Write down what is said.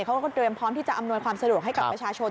เขาก็เตรียมพร้อมที่จะอำนวยความสะดวกให้กับประชาชน